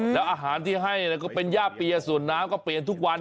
แล้วอาหารที่ให้ก็เป็นย่าเปียส่วนน้ำก็เปลี่ยนทุกวัน